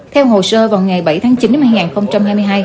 theo hồ sơ vào ngày bảy tháng chín năm hai nghìn hai mươi hai